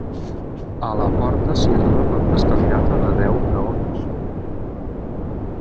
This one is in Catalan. A la porta s'hi arriba per una escalinata de deu graons.